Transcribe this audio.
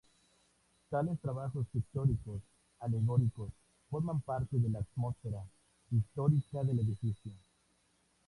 Tales trabajos pictóricos alegóricos forman parte de la "atmósfera" histórica del edificio.